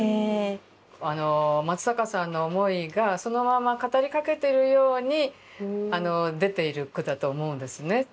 松坂さんの思いがそのまま語りかけてるように出ている句だと思うんですね。